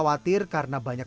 masker kain yang dibutuhkan